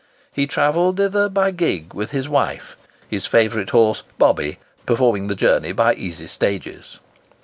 He travelled thither by gig with his wife,—his favourite horse "Bobby" performing the journey by easy stages.